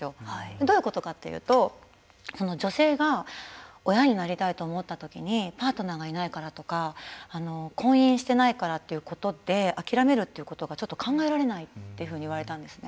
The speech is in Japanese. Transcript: どういうことかというと女性が親になりたいと思ったときにパートナーがいないからとか婚姻してないからということで諦めるということがちょっと考えられないというふうに言われたんですね。